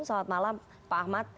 selamat malam pak ahmad